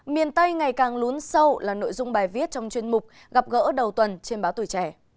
miền tây ngày càng lún sâu là nội dung bài viết trong chuyên mục gặp gỡ đầu tuần trên báo tuổi trẻ